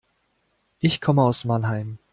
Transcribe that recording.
Ich komme aus Mannheim